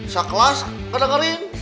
sa kelas kedengerin